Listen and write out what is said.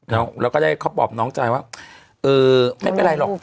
แล้วก็ได้เขาปอบน้องใจว่าเออไม่เป็นไรหรอก